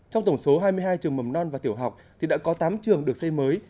trong tổng số hai mươi hai trường mầm non và tiểu học thì đã có tám trường được xây mới